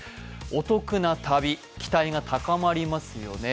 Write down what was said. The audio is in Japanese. お得な旅、期待が高まりますよね。